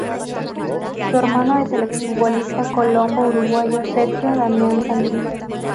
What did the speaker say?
Su hermano es el exfutbolista colombo-uruguayo Sergio Damián Santín.